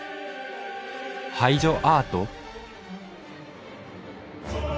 「排除アート？」